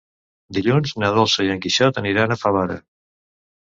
Dilluns na Dolça i en Quixot aniran a Favara.